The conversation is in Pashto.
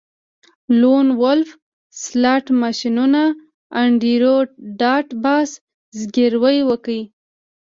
لون وولف سلاټ ماشینونه انډریو ډاټ باس زګیروی وکړ